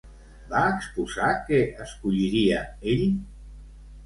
Va exposar què escolliria, ell?